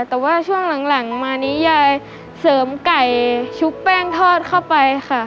แต่ว่าช่วงหลังมานี้ยายเสริมไก่ชุบแป้งทอดเข้าไปค่ะ